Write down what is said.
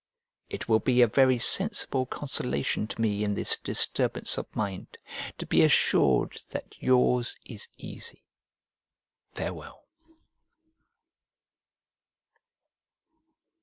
It will be a very sensible consolation to me in this disturbance of mind, to be assured that yours is easy. Farewell.